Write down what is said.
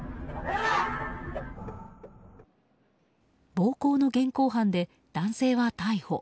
暴行の現行犯で男性は逮捕。